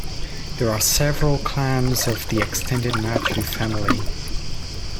There are several clans of the extended Natu family.